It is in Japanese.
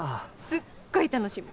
すっごい楽しみ！